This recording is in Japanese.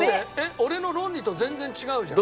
俺の論理と全然違うじゃん。